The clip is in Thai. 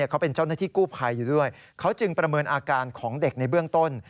เขาเป็นเจ้าหน้าที่กู้ภัยอยู่ด้วยเขาจึงประเมินอาการของเด็กในเบื้องต้น